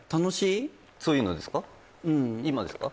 そういうのですか？